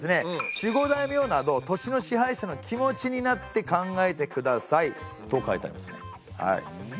「守護大名など土地の支配者の気持ちになって考えてください」と書いてありますねはい。